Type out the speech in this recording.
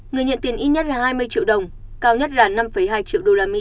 người nhận tiền ít nhất là hai mươi triệu đồng cao nhất là năm hai triệu đô la mỹ